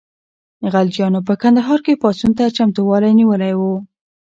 غلجیانو په کندهار کې پاڅون ته چمتووالی نیولی و.